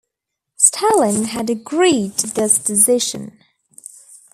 Stalin had agreed to this decision.